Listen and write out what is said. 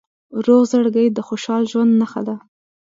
روغ زړګی د خوشحال ژوند نښه ده.